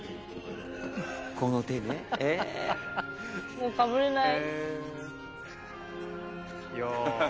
もうかぶれない。